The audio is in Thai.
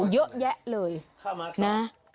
เยอะแยะเลยนะ